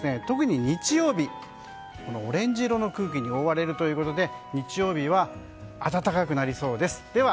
特に日曜日、オレンジ色の空気に覆われるということで日曜日は暖かくなりそうです。